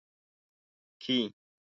کې